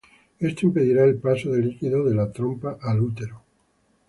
Esto impedirá el paso de líquido de la trompa al útero.